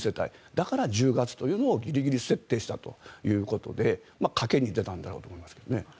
だから１０月というのをギリギリ設定したということで賭けに出たんだろうと思いますけどね。